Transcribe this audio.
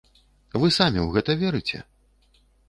Вы самі ў гэта верыце?